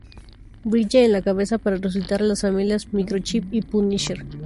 Bridge en la cabeza para resucitar a las familias de Microchip y Punisher.